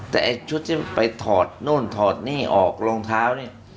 แต่ชุดที่ออกลองเท้านี่ถอดนี่นี่ออกโรงเท้า